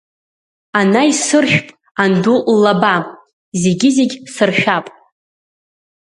Ана исыршәп анду ллаба, зегьы-зегь сыршәап!